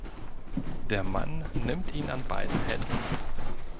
Der Mann nimmt ihn an beiden Händen.